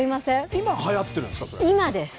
今、はやってるんですか、それ。